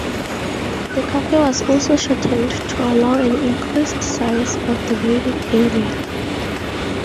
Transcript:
The Cafe was also shortened to allow an increased size of the waiting area.